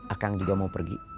akang juga mau pergi